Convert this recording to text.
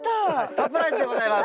サプライズでございます！